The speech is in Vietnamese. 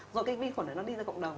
rồi cái vi khuẩn đấy nó đi ra cộng đồng